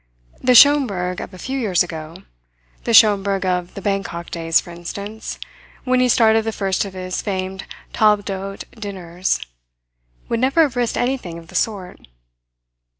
The Schomberg of a few years ago the Schomberg of the Bangkok days, for instance, when he started the first of his famed table d'hote dinners would never have risked anything of the sort.